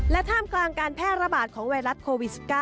และท่ามกลางการแพร่ระบาดของไวรัสโควิด๑๙